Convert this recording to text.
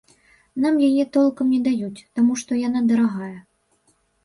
Нам яе толкам не даюць, таму што яна дарагая.